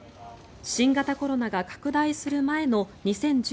新型コロナが拡大する前の２０１９年